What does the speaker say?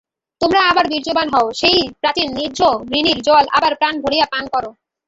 তোমরা আবার বীর্যবান হও, সেই প্রাচীন নির্ঝরিণীর জল আবার প্রাণ ভরিয়া পান কর।